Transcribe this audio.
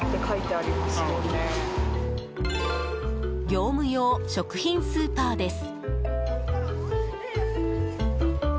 業務用食品スーパーです。